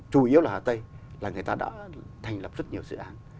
chủ yếu là hà tây là người ta đã thành lập rất nhiều dự án